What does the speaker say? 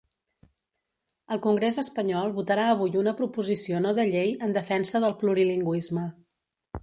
El congrés espanyol votarà avui una proposició no de llei en defensa del plurilingüisme.